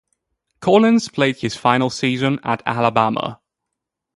Collins played his final season at Alabama.